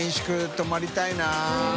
泊まりたい。